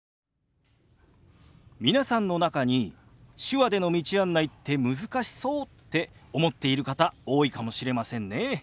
皆さんの中に手話での道案内って難しそうって思っている方多いかもしれませんね。